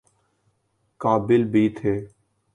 قابل بھی تھے۔